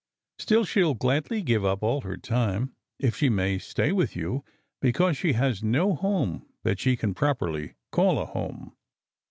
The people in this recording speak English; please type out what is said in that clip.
Still, she ll gladly give up all her time if she may stay with you, be cause she has no home that she can properly call a home."